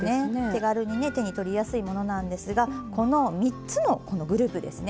手軽に手にとりやすいものなんですがこの３つのグループですね